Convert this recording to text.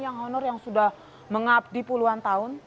yang honor yang sudah mengabdi puluhan tahun